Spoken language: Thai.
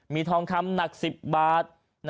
มีทองคำหนัก๑๐บาท